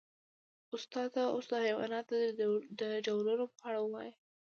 استاده اوس د حیواناتو د ډولونو په اړه ووایئ